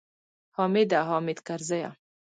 حامده! حامد کرزیه!